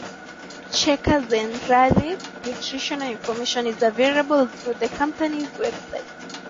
Checkers and Rally's nutritional information is available through the company website.